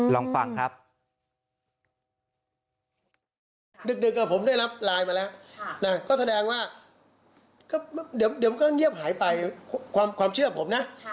ลองฟังครับ